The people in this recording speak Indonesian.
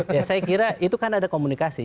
ya saya kira itu kan ada komunikasi